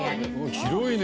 広いね！